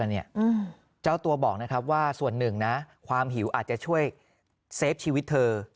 เจ้าตัวบอกนะครับว่าส่วนหนึ่งนะความหิวอาจจะช่วยเซฟชีวิตเธอ